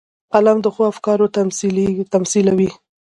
قلم د ښو افکارو تمثیلوي